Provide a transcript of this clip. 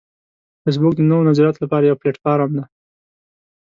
فېسبوک د نوو نظریاتو لپاره یو پلیټ فارم دی